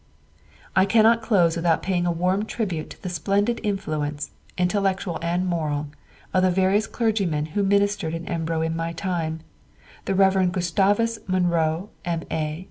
"I cannot close without paying a warm tribute to the splendid influence, intellectual and moral, of the various clergymen who ministered in Embro in my time—the Rev. Gustavus Munro, M.A.